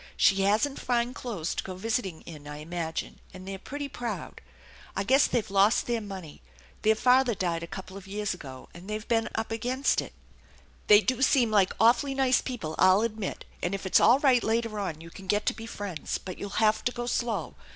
She hasn't fine clothes to go visiting in, I imagine, and they're pretty proud. I guess they've lost their money. Their father died a couple of years ago, and they've been up against it. THE ENCHANTED BARN 85 They do seem like awfully nice people, I'll admit; and, if it's all right later on, you can get to be friends, but you'll have to go slow.